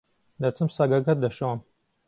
دەچم سەگەکە دەشۆم.